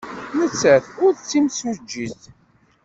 Nettat ur d timsujjit.